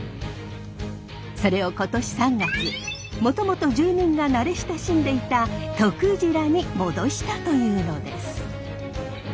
それを今年３月もともと住民が慣れ親しんでいた「Ｔｏｋｕｊｉｒａ」に戻したというのです。